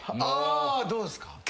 あどうですか？